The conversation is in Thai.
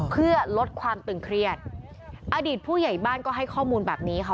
เพื่อลดความตึงเครียดอดีตผู้ใหญ่บ้านก็ให้ข้อมูลแบบนี้ค่ะ